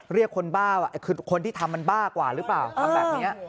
เรียกคนที่ทำมันบ้ากว่ารึเปล่าทำแบบนี้